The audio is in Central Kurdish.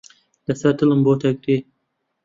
لەسەر دڵم بۆتە گرێ.